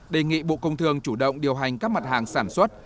đề nghị bộ công thương chủ động điều hành các mặt hàng sản xuất